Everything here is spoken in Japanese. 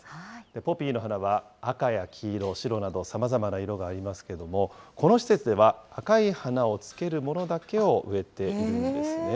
ポピーの花は赤や黄色、白などさまざまな色がありますけれども、この施設では赤い花をつけるものだけを植えているんですね。